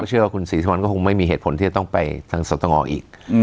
ผมเชื่อว่าคุณศรีธรรมนี่ก็คงไม่มีเหตุผลที่จะต้องไปสตรงออกอีก